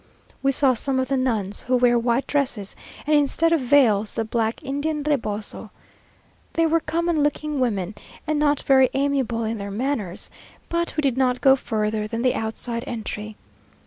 We saw some of the nuns, who wear white dresses, and, instead of veils, the black Indian reboso. They were common looking women, and not very amiable in their manners; but we did not go further than the outside entry.